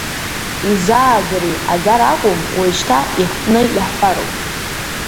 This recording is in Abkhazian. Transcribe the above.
Изааӡари, аӡара акәым, уажәшьҭа ихтны иаҳҳәароуп…